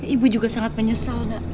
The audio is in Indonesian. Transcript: ibu juga sangat menyesal nak